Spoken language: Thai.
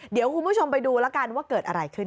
เดี๋ยวคุณผู้ชมไปดูแล้วกันว่าเกิดอะไรขึ้น